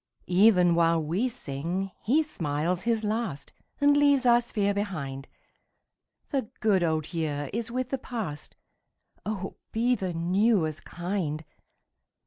37 Even while we sing he smiles his last And leaves our sphere behind. The good old year is with the past ; Oh be the new as kind